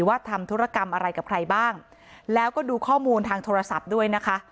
ทำธุรกรรมอะไรกับใครบ้างแล้วก็ดูข้อมูลทางโทรศัพท์ด้วยนะคะ